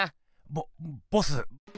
ボボス。